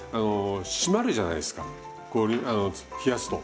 締まるじゃないですか冷やすと。